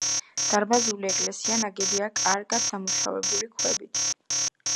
დარბაზული ეკლესია ნაგებია კარგად დამუშავებული ქვებით.